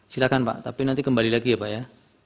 silahkan pak tapi nanti kembali lagi ya pak ya